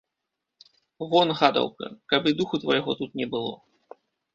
Вон, гадаўка, каб і духу твайго тут не было.